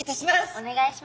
お願いします。